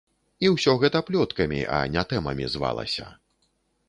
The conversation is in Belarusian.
І ўсё гэта плёткамі, а не тэмамі звалася.